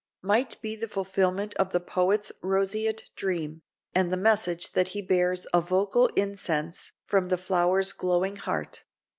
might be the fulfillment of the poet's roseate dream, and the message that he bears a vocal incense from the flower's glowing heart.